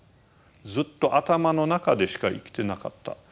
ずっと頭の中でしか生きてなかった。